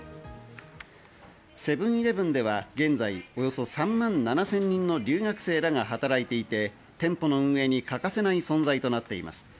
セブン−イレブンでは現在、およそ３万７０００人の留学生らが働いていて、店舗の運営に欠かせない存在となっています。